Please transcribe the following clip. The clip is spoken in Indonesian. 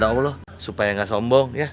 ya pada allah supaya gak sombong ya